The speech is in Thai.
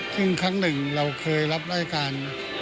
ซึ่งครั้งหนึ่งเราเคยรับราชการ